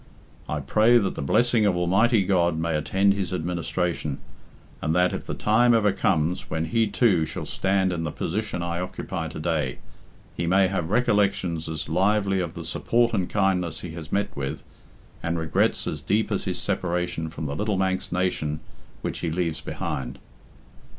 I pray that the blessing of Almighty God may attend his administration, and that, if the time ever comes when he too shall stand in the position I occupy to day, he may have recollections as lively of the support and kindness he has met with, and regrets as deep at his separation from the little Manx nation which he leaves behind."